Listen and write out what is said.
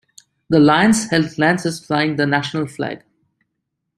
The lions held lances flying the national flag.